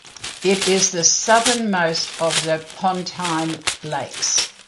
It is the southernmost of the Pontine lakes.